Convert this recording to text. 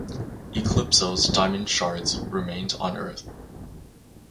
Eclipso's diamond shards remained on Earth.